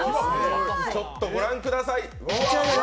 ちょっとご覧ください！